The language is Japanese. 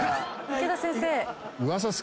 池田先生。